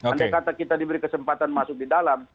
andai kata kita diberi kesempatan masuk di dalam